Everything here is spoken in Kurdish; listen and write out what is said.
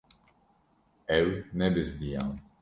Ew nebizdiyan.